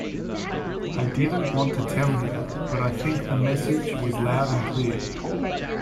I didn't want to tell him, but I think the message was loud and clear.